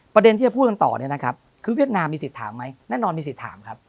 ประเด็นที่จะพูดกันต่อเนี่ยนะครับคือเวียดนามมีสิทธิ์ถามไหมแน่นอนมีสิทธิ์ถามครับ